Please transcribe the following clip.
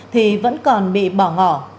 thì vẫn còn bị bỏ ngỏ